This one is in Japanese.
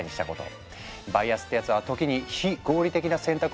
バイアスってやつは時に非合理的な選択をさせてくるんですよ。